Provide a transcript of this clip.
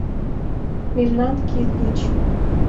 Мемнан кид гыч